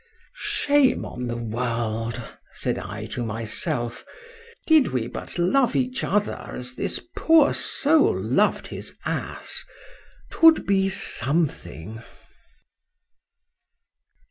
—Shame on the world! said I to myself.—Did we but love each other as this poor soul loved his ass—'twould be something.